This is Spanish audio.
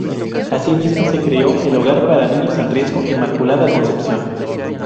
Asimismo, se creó el hogar para niños en riesgo "Inmaculada Concepción".